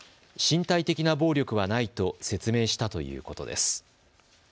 身体的な暴力はないと説明したということです。